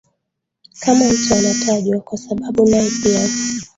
kama mtu anatajwa kwa sababu nae pia